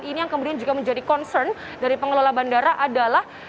ini yang kemudian juga menjadi concern dari pengelola bandara adalah